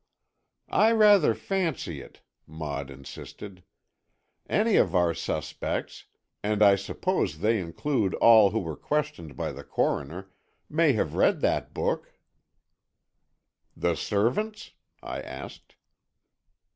"I rather fancy it," Maud insisted. "Any of our suspects, and I suppose they include all who were questioned by the coroner, may have read that book." "The servants?" I asked.